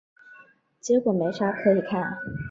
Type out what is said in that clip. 结果没啥可以看